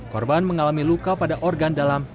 korban mengalami luka pada organ dalam